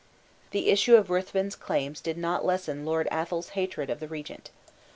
The issue of Ruthven's claims did not lessen Lord Athol's hatred of the regent.